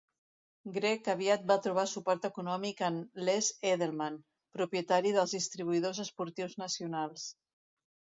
Greg aviat va trobar suport econòmic en Les Edelman, propietari dels Distribuïdors Esportius Nacionals.